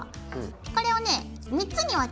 これをね３つに分けます。